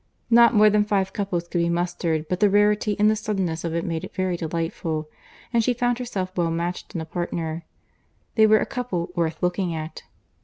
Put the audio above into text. Not more than five couple could be mustered; but the rarity and the suddenness of it made it very delightful, and she found herself well matched in a partner. They were a couple worth looking at.